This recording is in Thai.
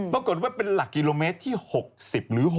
ปรากฏว่าเป็นหลักกิโลเมตรที่๖๐หรือ๖